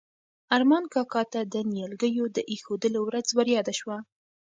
ارمان کاکا ته د نیالګیو د ایښودلو ورځ وریاده شوه.